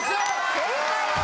正解です。